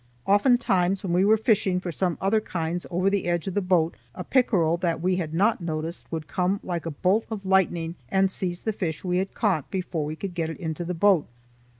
Oftentimes when we were fishing for some other kinds over the edge of the boat, a pickerel that we had not noticed would come like a bolt of lightning and seize the fish we had caught before we could get it into the boat.